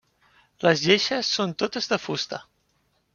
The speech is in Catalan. Les lleixes són totes de fusta.